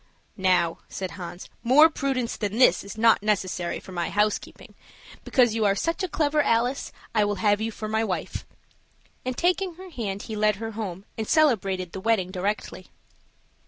"Now," said Hans, "more prudence than this is not necessary for my housekeeping; because you are such a clever Alice, I will have you for my wife." And, taking her hand, he led her home, and celebrated the wedding directly.